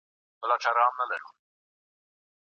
اوس په سیمه کې یوه عجیبه کراره کراري خپره وه.